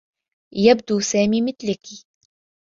يبدو سامي مثلكِ.